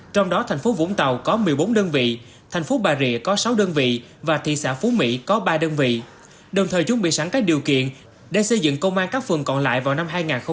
trong đó thành phố vũng tàu có một mươi bốn đơn vị thành phố bà rịa có sáu đơn vị và thị xã phú mỹ có ba đơn vị đồng thời chuẩn bị sẵn các điều kiện để xây dựng công an các phường còn lại vào năm hai nghìn hai mươi năm